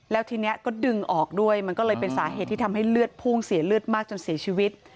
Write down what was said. แล้วทีนี้ก็ดึงออกด้วยมันก็เลยเป็นสาเหตุที่ทำให้เลือดพุ่งเสียเลือดมากจนเสียชีวิต